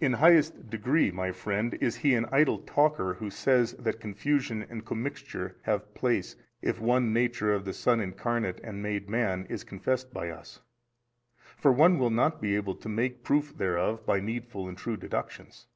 A. In highest degree, my friend, is he an idle talker who says that confusion and commixture have place, if one Nature of the Son Incarnate and made man, is confessed by us: for one will not be able to make proof thereof by needful and true deductions.